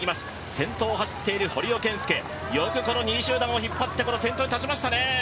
先頭を走っている堀尾謙介、よく２位集団を引っ張ってこの先頭に立ちましたね。